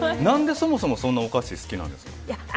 何でそもそもお菓子好きなんですか？